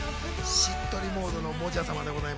しっとりモードのモジャ様です。